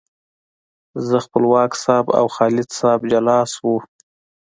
زه، خپلواک صاحب او خالد صاحب جلا شوو.